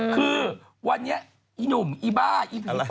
คือวันนี้อีหนุ่มอีบ้าอีผี